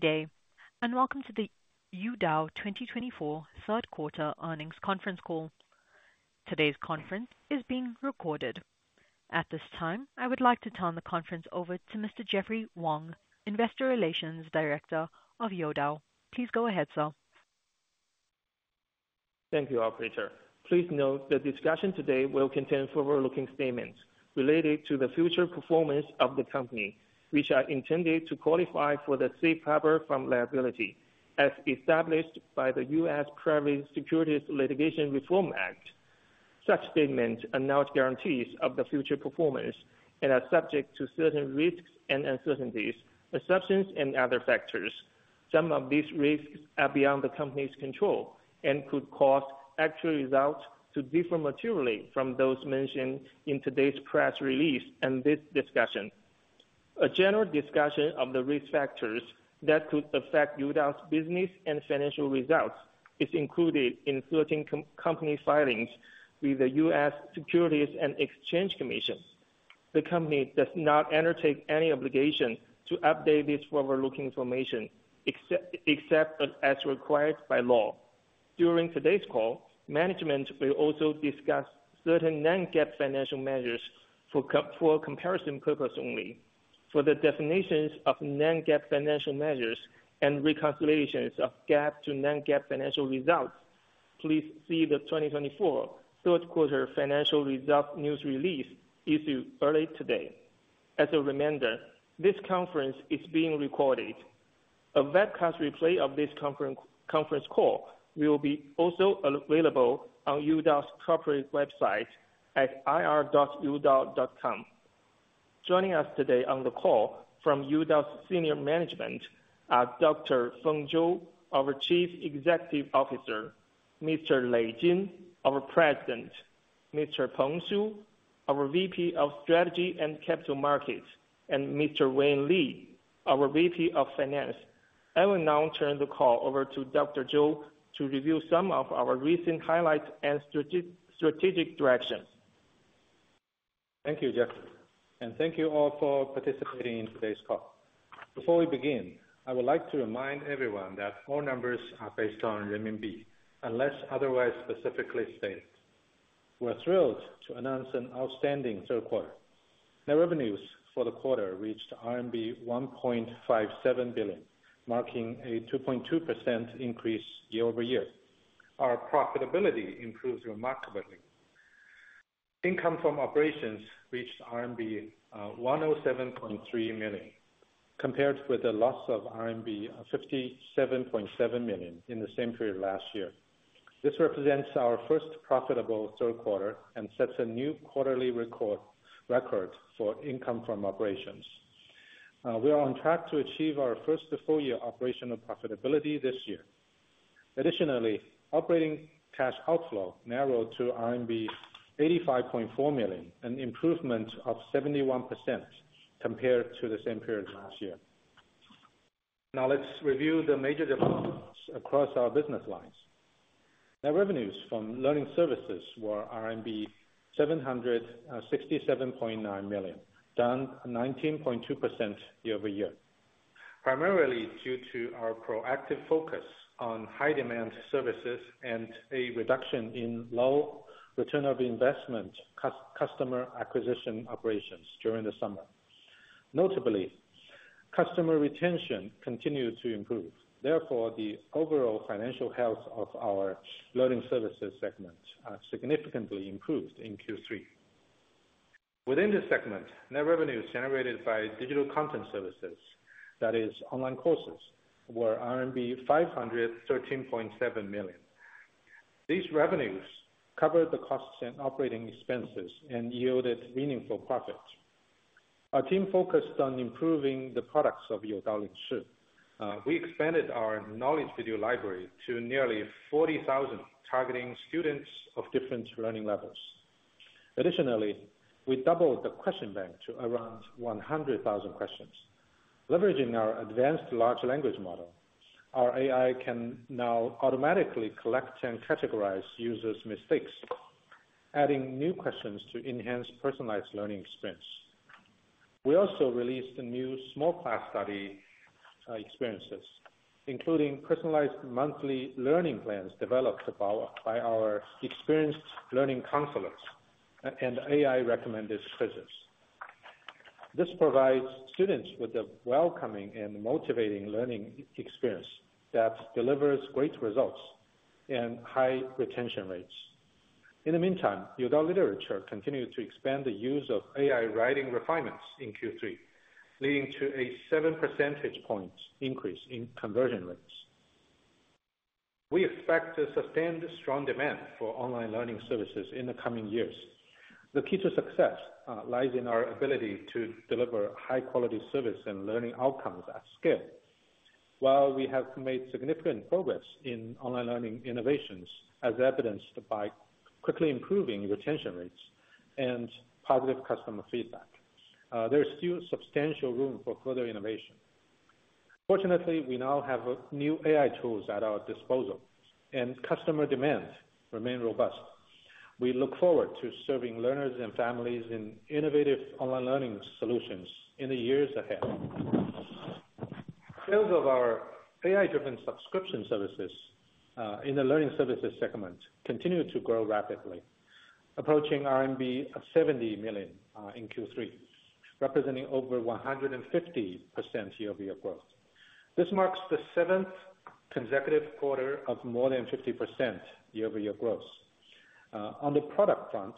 Good day, and welcome to the Youdao 2024 third quarter earnings conference call. Today's conference is being recorded. At this time, I would like to turn the conference over to Mr. Jeffrey Wang, Investor Relations Director of Youdao. Please go ahead, sir. Thank you, Operator. Please note the discussion today will contain forward-looking statements related to the future performance of the company, which are intended to qualify for the safe harbor from liability, as established by the U.S. Private Securities Litigation Reform Act. Such statements announce guarantees of the future performance and are subject to certain risks and uncertainties, assumptions, and other factors. Some of these risks are beyond the company's control and could cause actual results to differ materially from those mentioned in today's press release and this discussion. A general discussion of the risk factors that could affect Youdao's business and financial results is included in certain company filings with the U.S. Securities and Exchange Commission. The company does not undertake any obligation to update this forward-looking information, except as required by law. During today's call, management will also discuss certain non-GAAP financial measures for comparison purposes only. For the definitions of non-GAAP financial measures and reconciliations of GAAP to non-GAAP financial results, please see the 2024 third quarter financial results news release issued earlier today. As a reminder, this conference is being recorded. A webcast replay of this conference call will be also available on Youdao's corporate website at ir.youdao.com. Joining us today on the call from Youdao's senior management are Dr. Feng Zhou, our Chief Executive Officer, Mr. Lei Jin, our President, Mr. Peng Su, our VP of Strategy and Capital Markets, and Mr. Wei Li, our VP of Finance. I will now turn the call over to Dr. Zhou to review some of our recent highlights and strategic directions. Thank you, Jeffrey, and thank you all for participating in today's call. Before we begin, I would like to remind everyone that all numbers are based on renminbi, unless otherwise specifically stated. We're thrilled to announce an outstanding third quarter. Net revenues for the quarter reached RMB 1.57 billion, marking a 2.2% increase year-over-year. Our profitability improved remarkably. Income from operations reached RMB 107.3 million, compared with a loss of RMB 57.7 million in the same period last year. This represents our first profitable third quarter and sets a new quarterly record for income from operations. We are on track to achieve our first full-year operational profitability this year. Additionally, operating cash outflow narrowed to RMB 85.4 million and improved by 71% compared to the same period last year. Now, let's review the major developments across our business lines. Net revenues from learning services were RMB 767.9 million, down 19.2% year-over-year, primarily due to our proactive focus on high-demand services and a reduction in low return on investment customer acquisition operations during the summer. Notably, customer retention continued to improve. Therefore, the overall financial health of our learning services segment significantly improved in Q3. Within this segment, net revenues generated by digital content services, that is, online courses, were RMB 513.7 million. These revenues covered the costs and operating expenses and yielded meaningful profit. Our team focused on improving the products of Youdao Lingshi. We expanded our knowledge video library to nearly 40,000, targeting students of different learning levels. Additionally, we doubled the question bank to around 100,000 questions. Leveraging our advanced large language model, our AI can now automatically collect and categorize users' mistakes, adding new questions to enhance personalized learning experience. We also released a new small class study experiences, including personalized monthly learning plans developed by our experienced learning counselors and AI-recommended quizzes. This provides students with a welcoming and motivating learning experience that delivers great results and high retention rates. In the meantime, Youdao Literature continued to expand the use of AI writing refinements in Q3, leading to a seven percentage point increase in conversion rates. We expect to sustain the strong demand for online learning services in the coming years. The key to success lies in our ability to deliver high-quality service and learning outcomes at scale. While we have made significant progress in online learning innovations, as evidenced by quickly improving retention rates and positive customer feedback, there is still substantial room for further innovation. Fortunately, we now have new AI tools at our disposal, and customer demands remain robust. We look forward to serving learners and families in innovative online learning solutions in the years ahead. Sales of our AI-driven subscription services in the learning services segment continue to grow rapidly, approaching 70 million RMB in Q3, representing over 150% year-over-year growth. This marks the seventh consecutive quarter of more than 50% year-over-year growth. On the product front,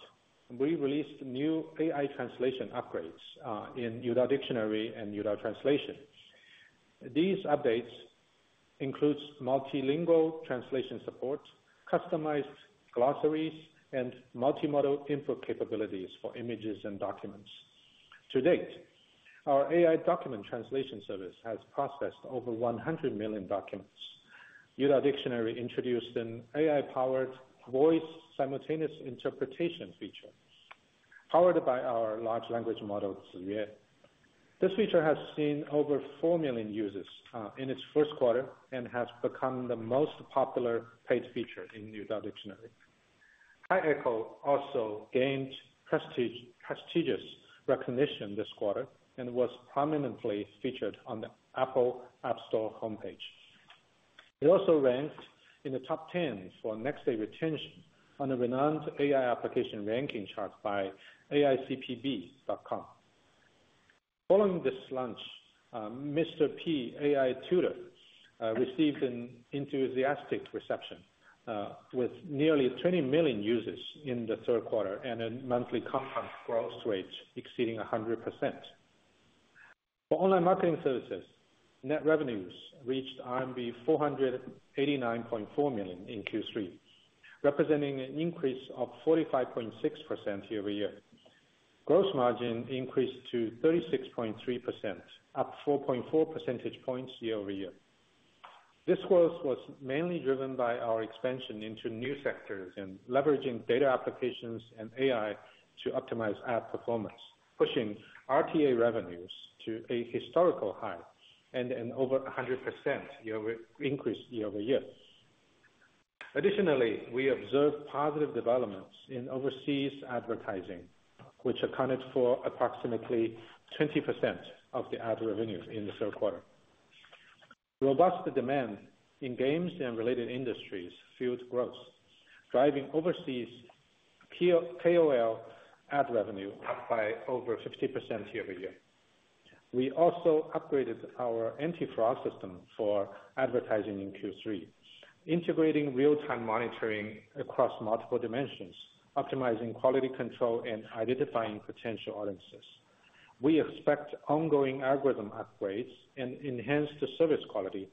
we released new AI translation upgrades in Youdao Dictionary and Youdao Translation. These updates include multilingual translation support, customized glossaries, and multimodal input capabilities for images and documents. To date, our AI document translation service has processed over 100 million documents. Youdao Dictionary introduced an AI-powered voice simultaneous interpretation feature, powered by our large language model, Ziyue. This feature has seen over 4 million users in its first quarter and has become the most popular paid feature in Youdao Dictionary. Hi Echo also gained prestigious recognition this quarter and was prominently featured on the Apple App Store homepage. It also ranked in the top 10 for next-day retention on the renowned AI application ranking chart by aicpb.com. Following this launch, Mr. P AI Tutor received an enthusiastic reception with nearly 20 million users in the third quarter and a monthly content growth rate exceeding 100%. For online marketing services, net revenues reached RMB 489.4 million in Q3, representing an increase of 45.6% year-over-year. Gross margin increased to 36.3%, up 4.4 percentage points year-over-year. This growth was mainly driven by our expansion into new sectors and leveraging data applications and AI to optimize app performance, pushing RTA revenues to a historical high and an over 100% year-over-year increase. Additionally, we observed positive developments in overseas advertising, which accounted for approximately 20% of the ad revenue in the third quarter. Robust demand in games and related industries fueled growth, driving overseas KOL ad revenue up by over 50% year-over-year. We also upgraded our anti-fraud system for advertising in Q3, integrating real-time monitoring across multiple dimensions, optimizing quality control and identifying potential audiences. We expect ongoing algorithm upgrades and enhanced service quality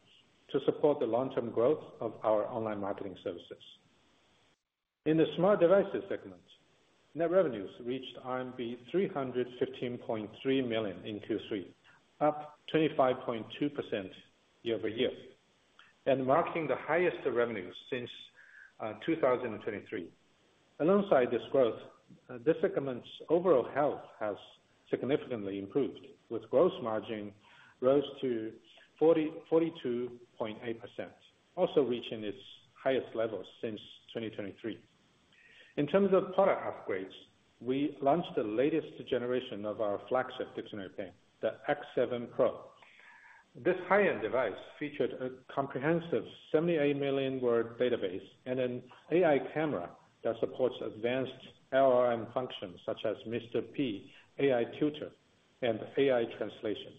to support the long-term growth of our online marketing services. In the smart devices segment, net revenues reached RMB 315.3 million in Q3, up 25.2% year-over-year, marking the highest revenue since 2023. Alongside this growth, this segment's overall health has significantly improved, with gross margin rose to 42.8%, also reaching its highest levels since 2023. In terms of product upgrades, we launched the latest generation of our flagship dictionary pen, the X7 Pro. This high-end device featured a comprehensive 78 million-word database and an AI camera that supports advanced LLM functions such as Mr. P AI Tutor, and AI translation.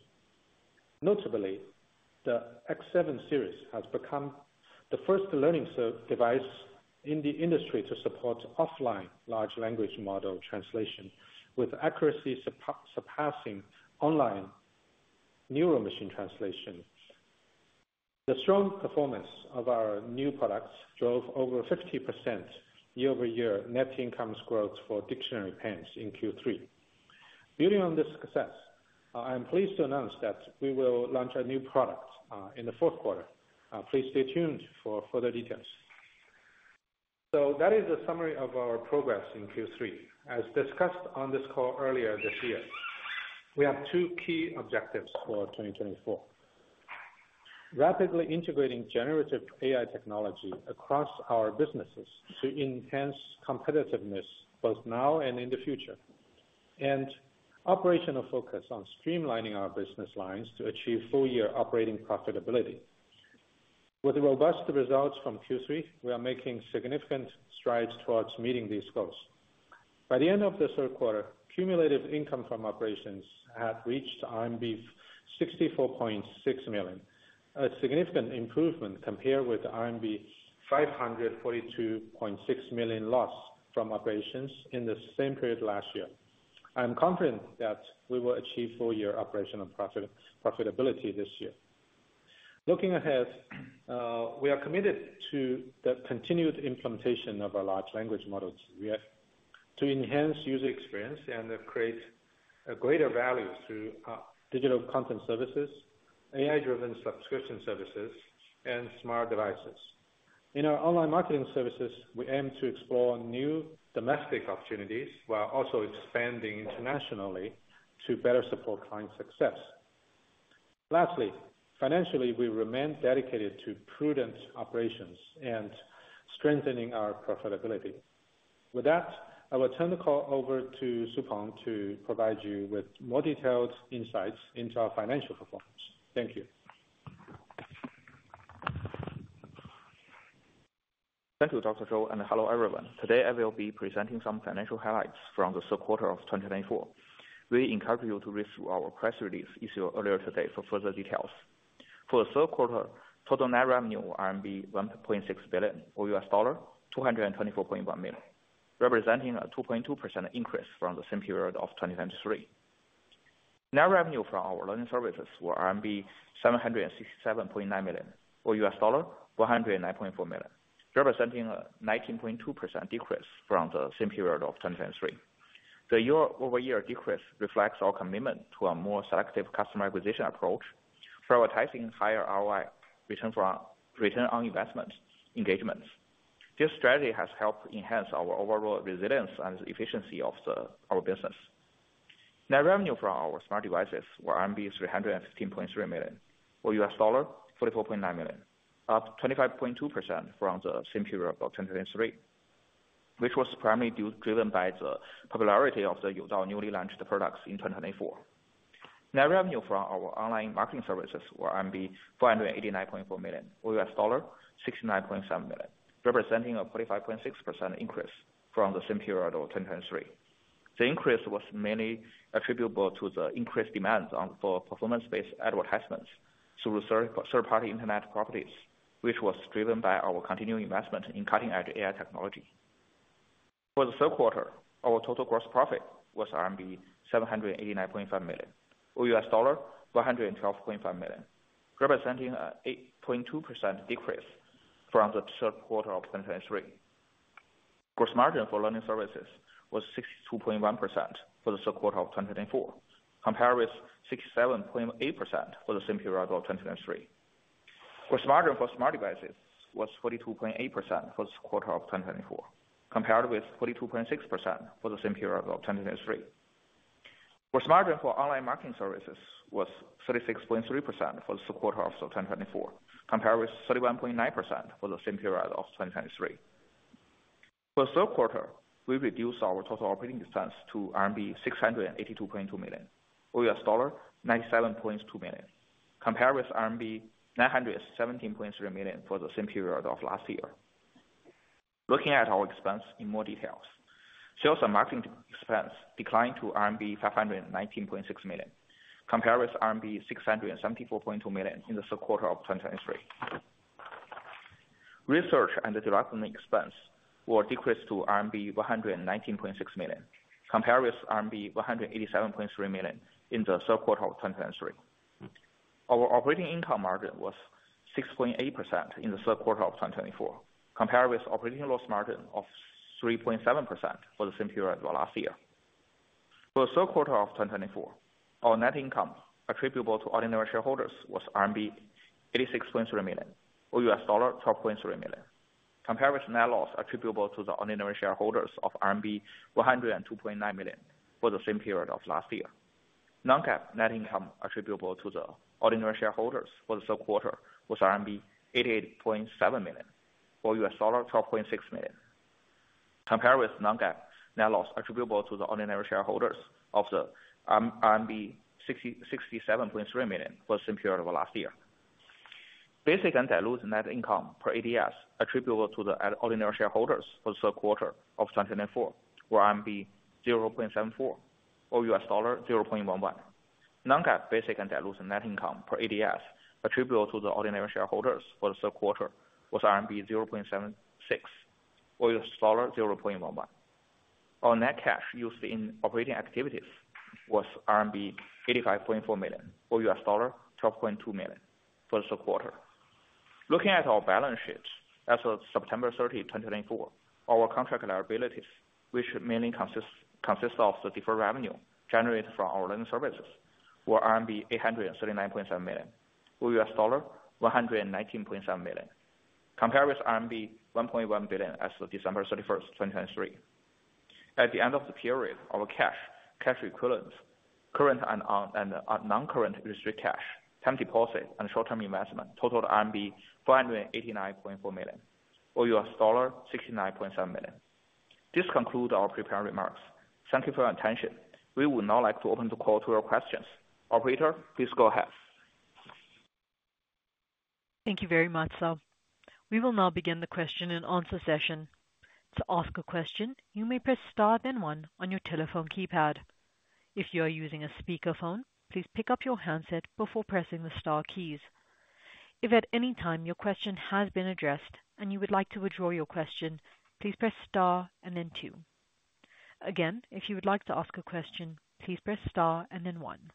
Notably, the X7 series has become the first learning device in the industry to support offline large language model translation, with accuracy surpassing online neural machine translation. The strong performance of our new products drove over 50% year-over-year net income growth for dictionary pens in Q3. Building on this success, I am pleased to announce that we will launch a new product in the fourth quarter. Please stay tuned for further details. So that is a summary of our progress in Q3. As discussed on this call earlier this year, we have two key objectives for 2024: rapidly integrating generative AI technology across our businesses to enhance competitiveness both now and in the future, and operational focus on streamlining our business lines to achieve full-year operating profitability. With robust results from Q3, we are making significant strides towards meeting these goals. By the end of the third quarter, cumulative income from operations had reached RMB 64.6 million, a significant improvement compared with RMB 542.6 million lost from operations in the same period last year. I am confident that we will achieve full-year operational profitability this year. Looking ahead, we are committed to the continued implementation of our large language model to enhance user experience and create greater value through digital content services, AI-driven subscription services, and smart devices. In our online marketing services, we aim to explore new domestic opportunities while also expanding internationally to better support client success. Lastly, financially, we remain dedicated to prudent operations and strengthening our profitability. With that, I will turn the call over to Peng Su to provide you with more detailed insights into our financial performance. Thank you. Thank you, Dr. Zhou, and hello everyone. Today, I will be presenting some financial highlights from the third quarter of 2024. We encourage you to read through our press release issued earlier today for further details. For the third quarter, total net revenue was RMB 1.6 billion, or $224.1 million, representing a 2.2% increase from the same period of 2023. Net revenue from our learning services was RMB 767.9 million, or $109.4 million, representing a 19.2% decrease from the same period of 2023. The year-over-year decrease reflects our commitment to a more selective customer acquisition approach, prioritizing higher ROI, return on investment engagements. This strategy has helped enhance our overall resilience and efficiency of our business. Net revenue from our smart devices was 315.3 million RMB, or $44.9 million, up 25.2% from the same period of 2023, which was primarily driven by the popularity of the Youdao newly launched products in 2024. Net revenue from our online marketing services was 489.4 million, or $69.7 million, representing a 25.6% increase from the same period of 2023. The increase was mainly attributable to the increased demand for performance-based advertisements through third-party internet properties, which was driven by our continued investment in cutting-edge AI technology. For the third quarter, our total gross profit was RMB 789.5 million, or $112.5 million, representing an 8.2% decrease from the third quarter of 2023. Gross margin for learning services was 62.1% for the third quarter of 2024, compared with 67.8% for the same period of 2023. Gross margin for smart devices was 42.8% for the quarter of 2024, compared with 42.6% for the same period of 2023. Gross margin for online marketing services was 36.3% for the quarter of 2024, compared with 31.9% for the same period of 2023. For the third quarter, we reduced our total operating expense to RMB 682.2 million, or $97.2 million, compared with RMB 917.3 million for the same period of last year. Looking at our expense in more detail, sales and marketing expense declined to RMB 519.6 million, compared with RMB 674.2 million in the third quarter of 2023. Research and development expense were decreased to RMB 119.6 million, compared with RMB 187.3 million in the third quarter of 2023. Our operating income margin was 6.8% in the third quarter of 2024, compared with operating loss margin of 3.7% for the same period of last year. For the third quarter of 2024, our net income attributable to ordinary shareholders was RMB 86.3 million, or $12.3 million, compared with net loss attributable to the ordinary shareholders of RMB 102.9 million for the same period of last year. Non-GAAP net income attributable to the ordinary shareholders for the third quarter was RMB 88.7 million, or $12.6 million, compared with Non-GAAP net loss attributable to the ordinary shareholders of RMB 67.3 million for the same period of last year. Basic and diluted net income per ADS attributable to the ordinary shareholders for the third quarter of 2024 was 0.74, or $0.11. Non-GAAP basic and diluted net income per ADS attributable to the ordinary shareholders for the third quarter was RMB 0.76, or $0.11. Our net cash used in operating activities was RMB 85.4 million, or $12.2 million for the third quarter. Looking at our balance sheet as of September 30, 2024, our contract liabilities, which mainly consist of the deferred revenue generated from our learning services, were RMB 839.7 million, or $119.7 million, compared with RMB 1.1 billion as of December 31, 2023. At the end of the period, our cash equivalent, current and non-current restricted cash, time deposit, and short-term investment totaled RMB 489.4 million, or $69.7 million. This concludes our prepared remarks. Thank you for your attention. We would now like to open the call to your questions. Operator, please go ahead. Thank you very much, Su. We will now begin the question and answer session. To ask a question, you may press star then one on your telephone keypad. If you are using a speakerphone, please pick up your handset before pressing the star keys. If at any time your question has been addressed and you would like to withdraw your question, please press star and then two. Again, if you would like to ask a question, please press star and then one.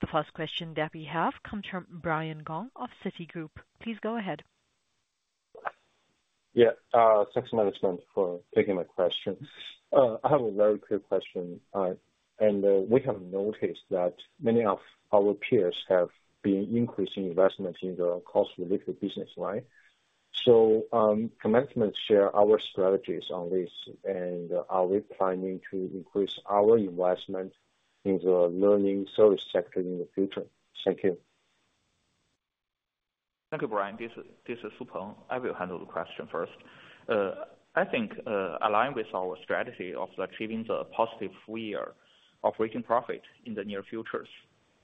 The first question that we have comes from Brian Gong of Citigroup. Please go ahead. Yeah, thanks, Management, for taking my question. I have a very quick question. And we have noticed that many of our peers have been increasing investment in the cost-related business, right? So can Management share our strategies on this and are we planning to increase our investment in the learning service sector in the future? Thank you. Thank you, Brian. This is Peng Su. I will handle the question first. I think, aligned with our strategy of achieving the positive full-year operating profit in the near future,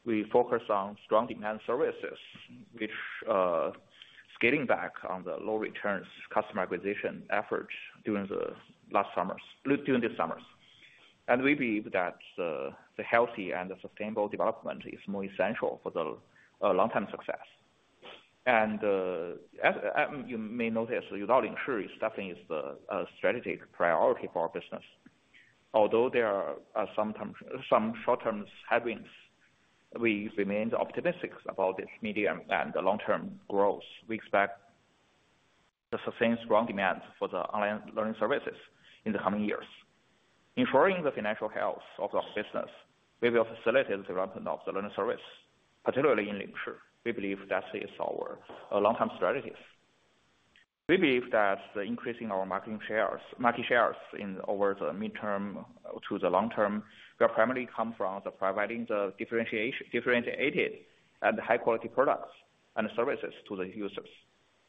we focus on strong demand services, which are scaling back on the low-return customer acquisition effort during this summer. We believe that the healthy and sustainable development is more essential for the long-term success. As you may notice, Youdao Lingshi definitely is a strategic priority for our business. Although there are some short-term headwinds, we remain optimistic about this medium- and long-term growth. We expect to sustain strong demand for the online learning services in the coming years. Ensuring the financial health of our business will facilitate the development of the learning service, particularly in Lingshi. We believe that is our long-term strategy. We believe that the increase in our market shares over the midterm to the long term will primarily come from providing the differentiated and high-quality products and services to the users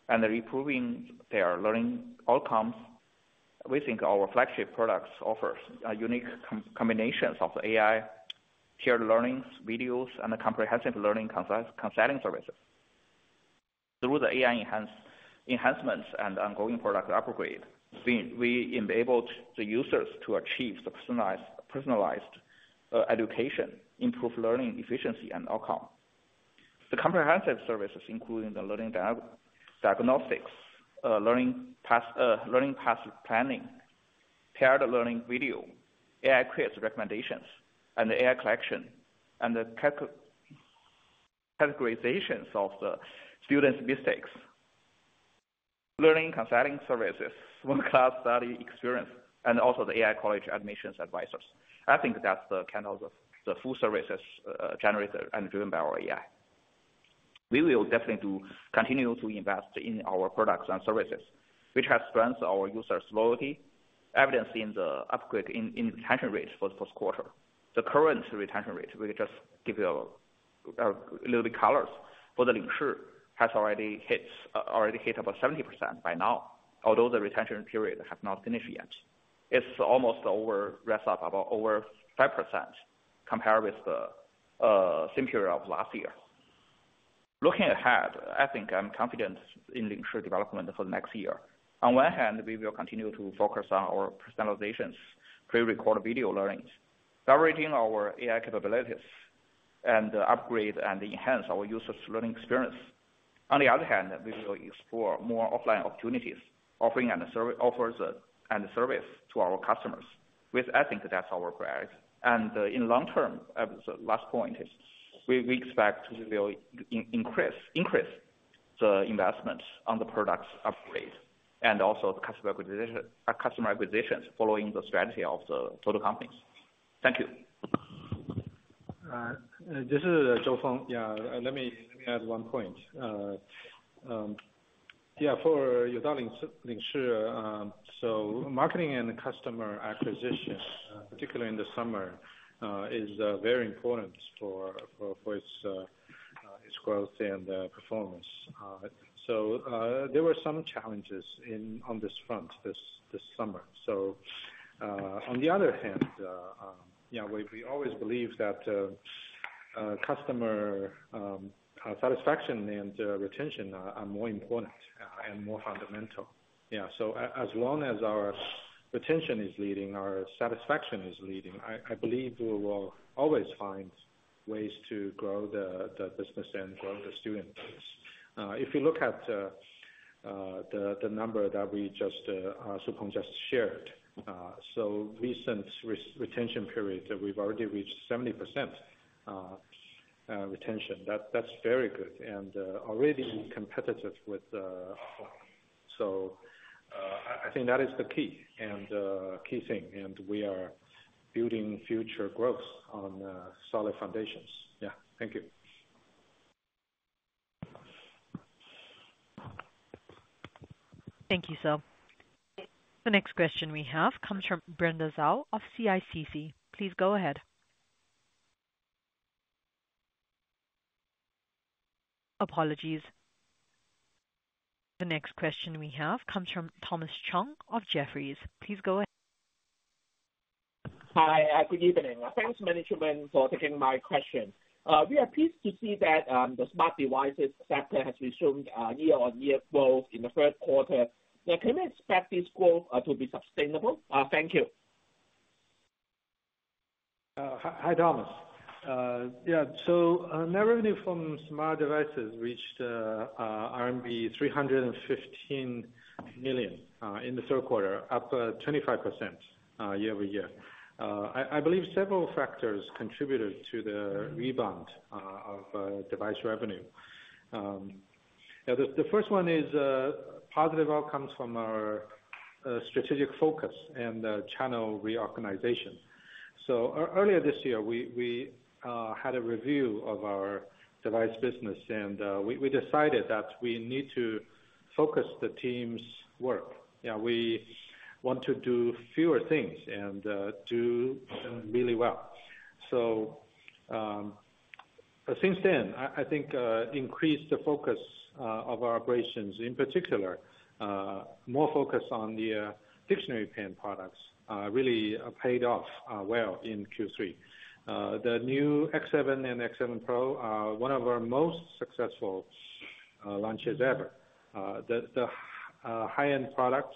and improving their learning outcomes. We think our flagship products offer unique combinations of AI-tiered learnings, videos, and comprehensive learning consulting services. Through the AI enhancements and ongoing product upgrades, we enable the users to achieve personalized education, improve learning efficiency, and outcome. The comprehensive services, including the learning diagnostics, learning path planning, tiered learning video, AI quiz recommendations, and AI collection and categorizations of the students' mistakes, learning consulting services, small class study experience, and also the AI college admissions advisors. I think that's the kind of the full services generated and driven by our AI. We will definitely continue to invest in our products and services, which has strengthened our users' loyalty, evidencing the upgrade in retention rate for the first quarter. The current retention rate, we can just give you a little bit of color, for the Lingshi has already hit about 70% by now, although the retention period has not finished yet. It's almost over, is up about 5% compared with the same period of last year. Looking ahead, I think I'm confident in Lingshi development for the next year. On one hand, we will continue to focus on our personalizations, pre-recorded video learnings, leveraging our AI capabilities and upgrade and enhance our users' learning experience. On the other hand, we will explore more offline opportunities, offering and service to our customers, which I think that's our priority. In the long term, the last point is we expect we will increase the investment on the product upgrade and also the customer acquisitions following the strategy of the total companies. Thank you. This is Feng Zhou. Yeah, let me add one point. Yeah, for Youdao Lingshi, so marketing and customer acquisition, particularly in the summer, is very important for its growth and performance. So there were some challenges on this front this summer. So on the other hand, yeah, we always believe that customer satisfaction and retention are more important and more fundamental. Yeah, so as long as our retention is leading, our satisfaction is leading, I believe we will always find ways to grow the business and grow the student base. If you look at the number that Peng Su just shared, so recent retention period, we've already reached 70% retention. That's very good and already competitive with. So I think that is the key and key thing, and we are building future growth on solid foundations. Yeah, thank you. Thank you, Zhou. The next question we have comes from Brenda Zhao of CICC. Please go ahead. Apologies. The next question we have comes from Thomas Chong of Jefferies. Please go ahead. Hi, good evening. Thanks, Management, for taking my question. We are pleased to see that the smart devices sector has resumed year-on-year growth in the third quarter. Can we expect this growth to be sustainable? Thank you. Hi, Thomas. Yeah, so net revenue from smart devices reached RMB 315 million in the third quarter, up 25% year-over-year. I believe several factors contributed to the rebound of device revenue. The first one is positive outcomes from our strategic focus and channel reorganization. So earlier this year, we had a review of our device business, and we decided that we need to focus the team's work. Yeah, we want to do fewer things and do them really well. So since then, I think increased the focus of our operations, in particular, more focus on the dictionary pen products really paid off well in Q3. The new X7 and X7 Pro are one of our most successful launches ever. The high-end product,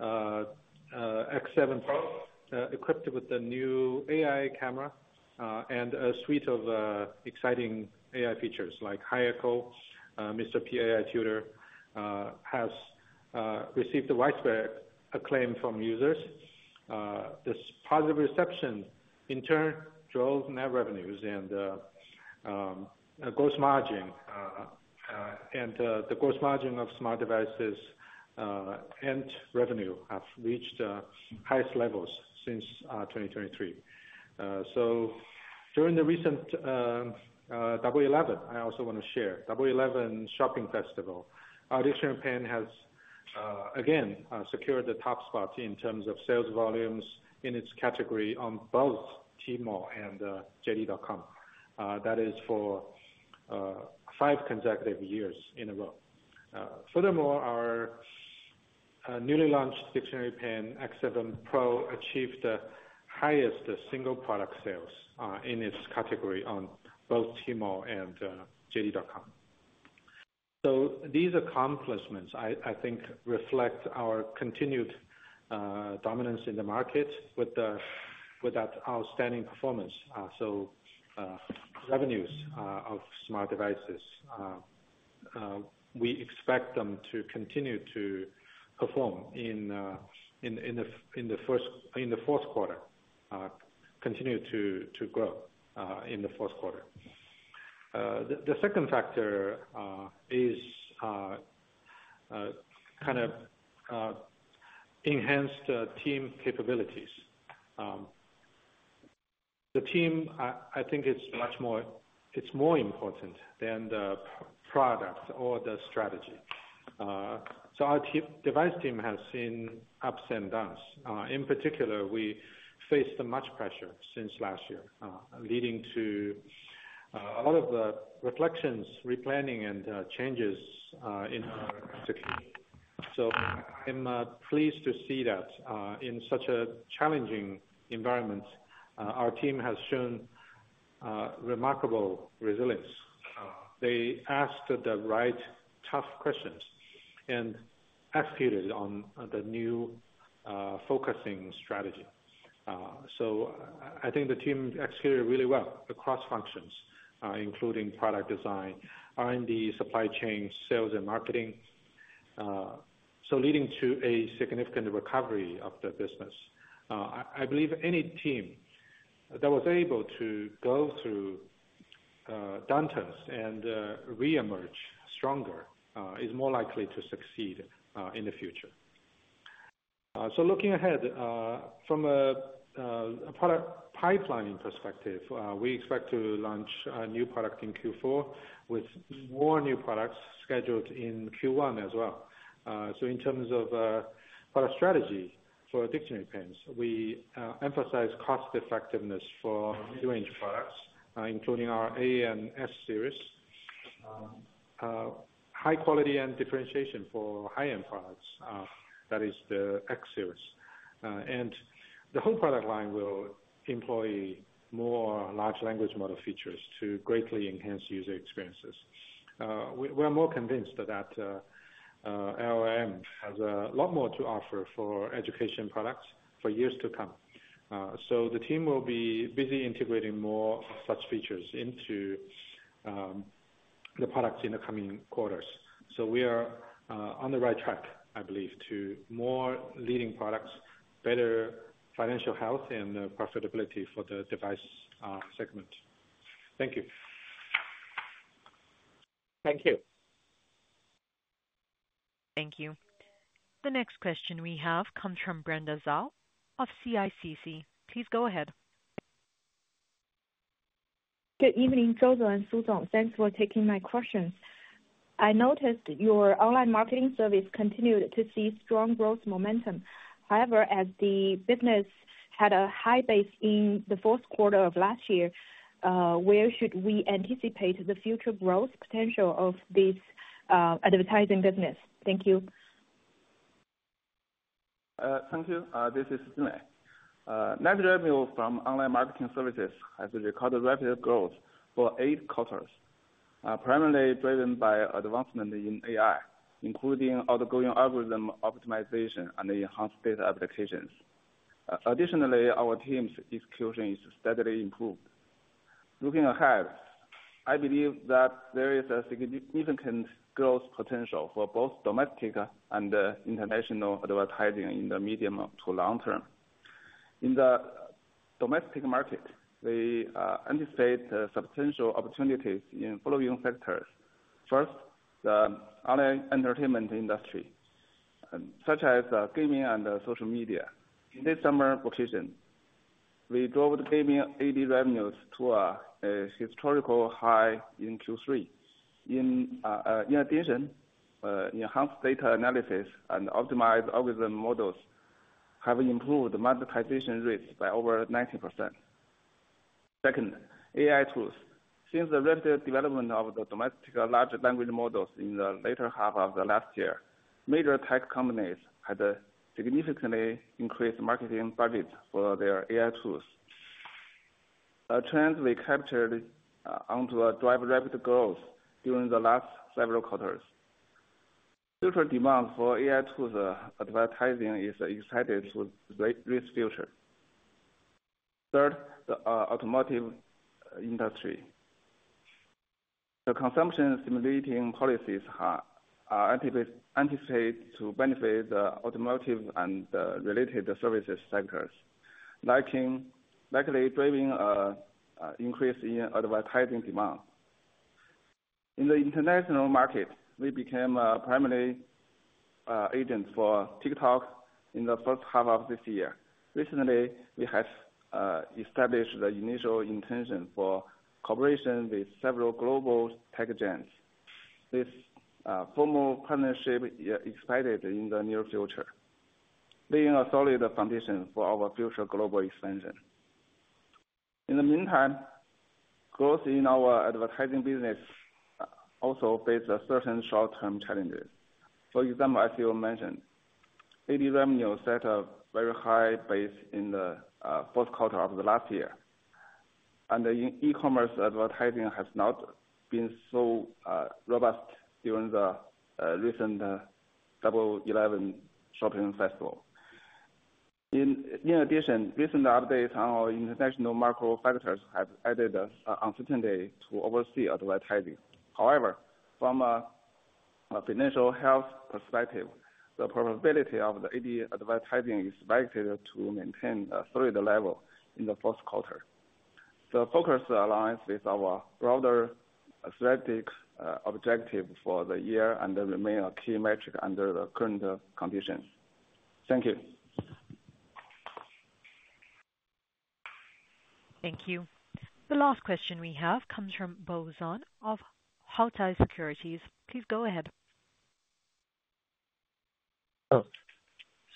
X7 Pro, equipped with the new AI camera and a suite of exciting AI features like Hi Echo, Mr. P AI Tutor, has received a widespread acclaim from users. This positive reception, in turn, drove net revenues and gross margin, and the gross margin of smart devices and revenue have reached the highest levels since 2023. During the recent Double 11, I also want to share, Double 11 Shopping Festival, our dictionary pen has again secured the top spot in terms of sales volumes in its category on both Tmall and JD.com. That is for five consecutive years in a row. Furthermore, our newly launched dictionary pen, X7 Pro, achieved the highest single product sales in its category on both Tmall and JD.com. These accomplishments, I think, reflect our continued dominance in the market with that outstanding performance. Revenues of smart devices, we expect them to continue to perform in the fourth quarter, continue to grow in the fourth quarter. The second factor is kind of enhanced team capabilities. The team, I think, is more important than the product or the strategy. So our device team has seen ups and downs. In particular, we faced much pressure since last year, leading to a lot of the reflections, replanning, and changes in our team. So I'm pleased to see that in such a challenging environment, our team has shown remarkable resilience. They asked the right tough questions and executed on the new focusing strategy. So I think the team executed really well across functions, including product design, R&D, supply chain, sales, and marketing, so leading to a significant recovery of the business. I believe any team that was able to go through downturns and reemerge stronger is more likely to succeed in the future. So looking ahead, from a product pipeline perspective, we expect to launch a new product in Q4 with more new products scheduled in Q1 as well. So in terms of product strategy for dictionary pens, we emphasize cost-effectiveness for new-entry products, including our A and S series, high quality and differentiation for high-end products. That is the X series. And the whole product line will employ more large language model features to greatly enhance user experiences. We are more convinced that LLM has a lot more to offer for education products for years to come. So the team will be busy integrating more of such features into the products in the coming quarters. So we are on the right track, I believe, to more leading products, better financial health, and profitability for the device segment. Thank you. Thank you. Thank you. The next question we have comes from Brenda Zhao of CICC. Please go ahead. Good evening, Feng Zhou and Peng Su. Thanks for taking my questions. I noticed your online marketing service continued to see strong growth momentum. However, as the business had a high base in the fourth quarter of last year, where should we anticipate the future growth potential of this advertising business? Thank you. Thank you. This is Peng. Net revenue from online marketing services has recorded rapid growth for eight quarters, primarily driven by advancement in AI, including ongoing algorithm optimization and enhanced data applications. Additionally, our team's execution is steadily improved. Looking ahead, I believe that there is a significant growth potential for both domestic and international advertising in the medium to long term. In the domestic market, we anticipate substantial opportunities in following sectors. First, the online entertainment industry, such as gaming and social media. In this summer vacation, we drove gaming ad revenues to a historical high in Q3. In addition, enhanced data analysis and optimized algorithm models have improved monetization rates by over 90%. Second, AI tools. Since the rapid development of the domestic large language models in the later half of last year, major tech companies had significantly increased marketing budgets for their AI tools. Trends we captured continue to drive rapid growth during the last several quarters. Future demand for AI tools advertising is expected to reach further. Third, the automotive industry. The consumption stimulating policies are anticipated to benefit the automotive and related services sectors, likely driving an increase in advertising demand. In the international market, we became a primary agent for TikTok in the first half of this year. Recently, we have established the initial intention for cooperation with several global tech giants. This formal partnership expected in the near future, laying a solid foundation for our future global expansion. In the meantime, growth in our advertising business also faced certain short-term challenges. For example, as you mentioned, ad revenue set a very high base in the fourth quarter of last year, and e-commerce advertising has not been so robust during the recent Double 11 Shopping Festival. In addition, recent updates on our international macro factors have added uncertainty to overseas advertising. However, from a financial health perspective, the probability of the ad advertising is likely to maintain a solid level in the fourth quarter. The focus aligns with our broader strategic objective for the year and the remaining key metrics under the current conditions. Thank you. Thank you. The last question we have comes from Bo Zhang of Huatai Securities. Please go ahead.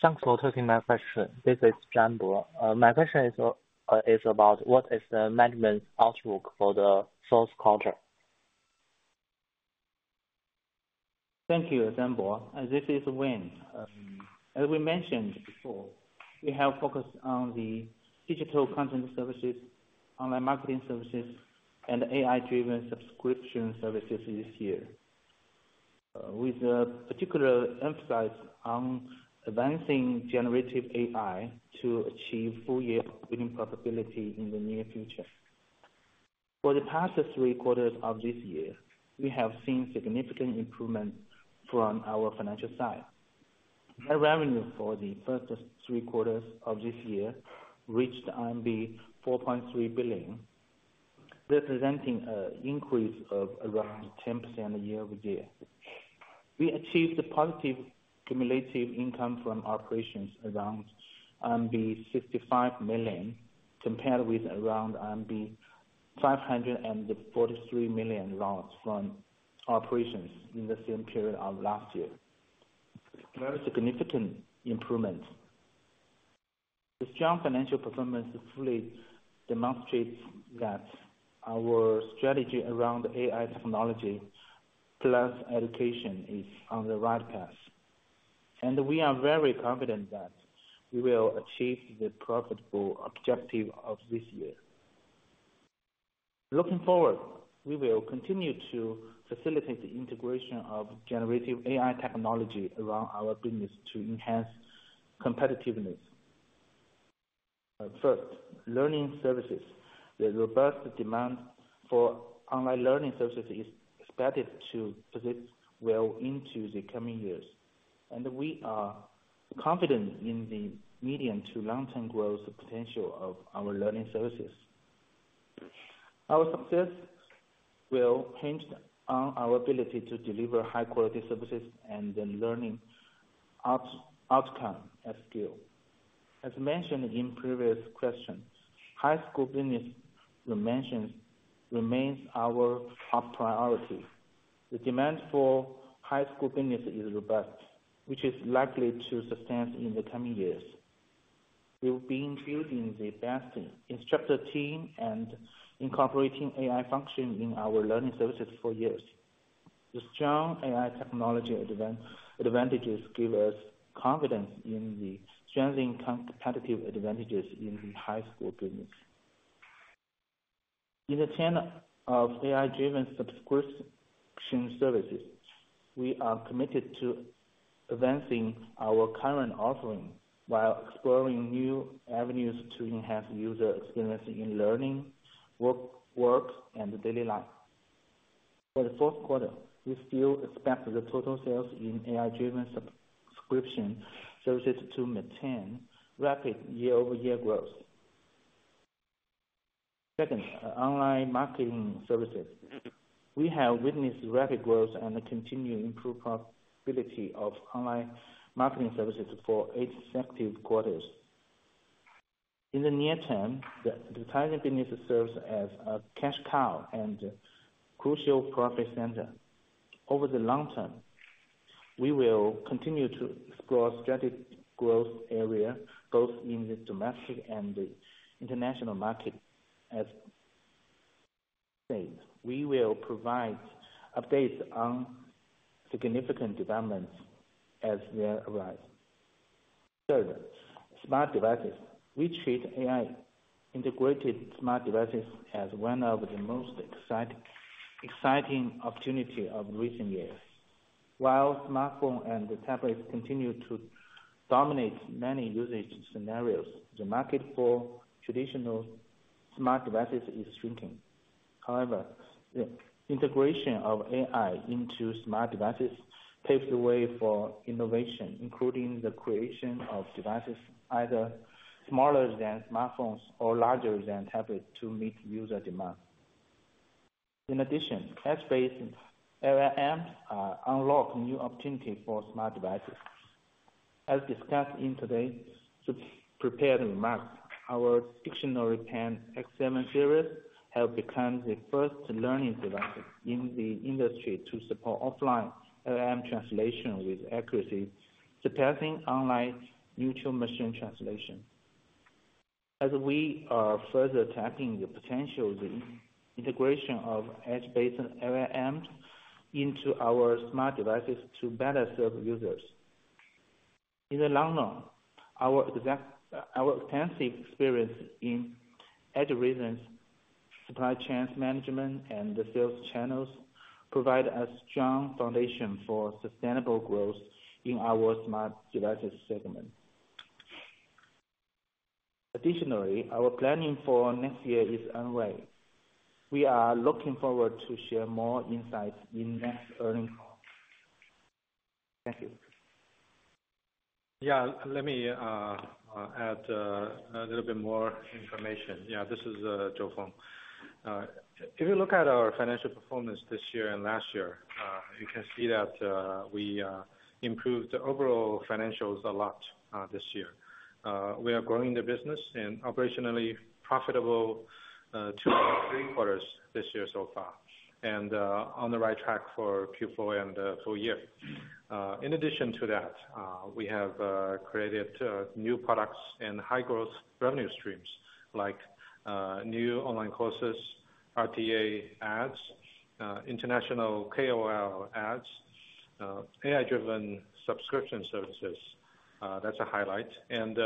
Thanks for taking my question. This is Zhang Bo. My question is about what is the management outlook for the fourth quarter? Thank you, Zhang Bo. This is Wei. As we mentioned before, we have focused on the digital content services, online marketing services, and AI-driven subscription services this year, with a particular emphasis on advancing generative AI to achieve full year-opening profitability in the near future. For the past three quarters of this year, we have seen significant improvements from our financial side. Net revenue for the first three quarters of this year reached 4.3 billion, representing an increase of around 10% year-over-year. We achieved a positive cumulative income from operations around RMB 65 million, compared with around RMB 543 million lost from operations in the same period of last year. Very significant improvements. The strong financial performance fully demonstrates that our strategy around AI technology plus education is on the right path. And we are very confident that we will achieve the profitable objective of this year. Looking forward, we will continue to facilitate the integration of generative AI technology around our business to enhance competitiveness. First, learning services. The robust demand for online learning services is expected to persist well into the coming years. And we are confident in the medium to long-term growth potential of our learning services. Our success will hinge on our ability to deliver high-quality services and the learning outcome at scale. As mentioned in previous questions, high school business dimensions remain our top priority. The demand for high school business is robust, which is likely to sustain in the coming years. We will be including the best instructor team and incorporating AI function in our learning services for years. The strong AI technology advantages give us confidence in the strengthening competitive advantages in the high school business. In the channel of AI-driven subscription services, we are committed to advancing our current offering while exploring new avenues to enhance user experience in learning, work, and daily life. For the fourth quarter, we still expect the total sales in AI-driven subscription services to maintain rapid year-over-year growth. Second, online marketing services. We have witnessed rapid growth and continued improved profitability of online marketing services for eight consecutive quarters. In the near term, the advertising business serves as a cash cow and crucial profit center. Over the long term, we will continue to explore strategic growth areas both in the domestic and international markets. We will provide updates on significant developments as they arise. Third, smart devices. We treat AI-integrated smart devices as one of the most exciting opportunities of recent years. While smartphones and tablets continue to dominate many usage scenarios, the market for traditional smart devices is shrinking. However, the integration of AI into smart devices paves the way for innovation, including the creation of devices either smaller than smartphones or larger than tablets to meet user demand. In addition, edge-based LLMs unlock new opportunities for smart devices. As discussed in today's prepared remarks, our Dictionary Pen X7 Series has become the first learning device in the industry to support offline LLM translation with accuracy surpassing online neural machine translation. As we are further tapping the potential of the integration of edge-based LLMs into our smart devices to better serve users. In the long run, our extensive experience in edge regions, supply chain management, and sales channels provides a strong foundation for sustainable growth in our smart devices segment. Additionally, our planning for next year is underway. We are looking forward to sharing more insights in the next earnings call. Thank you. Yeah, let me add a little bit more information. Yeah, this is Feng Zhou. If you look at our financial performance this year and last year, you can see that we improved the overall financials a lot this year. We are growing the business and operationally profitable two or three quarters this year so far, and on the right track for Q4 and full year. In addition to that, we have created new products and high-growth revenue streams like new online courses, RTA ads, international KOL ads, AI-driven subscription services. That's a highlight, and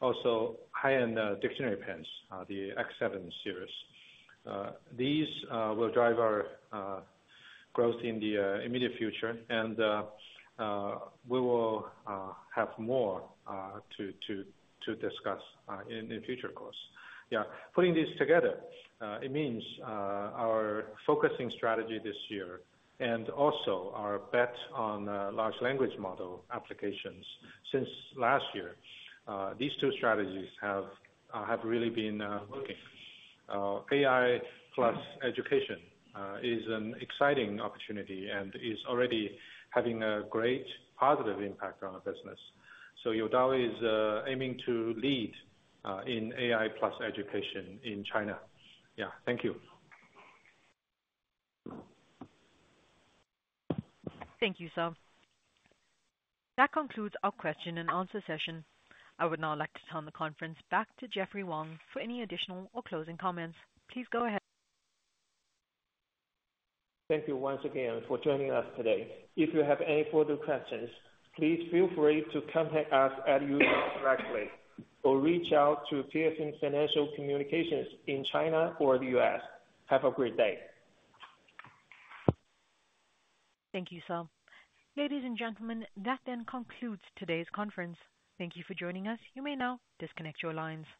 also high-end dictionary pens, the X7 series. These will drive our growth in the immediate future, and we will have more to discuss in the future, of course. Yeah, putting these together, it means our focusing strategy this year and also our bet on large language model applications since last year, these two strategies have really been working. AI plus education is an exciting opportunity and is already having a great positive impact on our business. So Youdao is aiming to lead in AI plus education in China. Yeah, thank you. Thank you, Zhou. That concludes our question and answer session. I would now like to turn the conference back to Jeffrey Wang for any additional or closing comments. Please go ahead. Thank you once again for joining us today. If you have any further questions, please feel free to contact us at Youdao directly or reach out to Piacente Financial Communications in China or the U.S. Have a great day. Thank you, Zhou. Ladies and gentlemen, that then concludes today's conference. Thank you for joining us. You may now disconnect your lines.